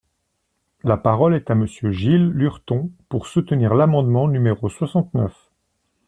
La parole est à Monsieur Gilles Lurton, pour soutenir l’amendement numéro soixante-neuf.